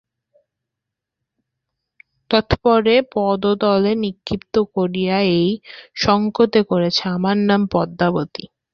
তৎপরে পদতলে নিক্ষিপ্ত করিয়া এই সঙ্কেত করিয়াছে, আমার নাম পদ্মাবতী।